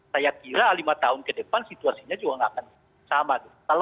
saya kira lima tahun ke depan situasinya juga nggak akan sama